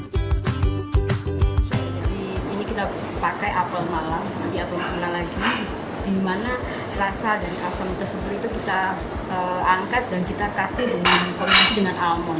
jadi ini kita pakai apel malam apel malam lagi dimana rasa dan asam tersebut itu kita angkat dan kita kasih dengan almon